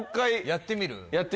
やってみる？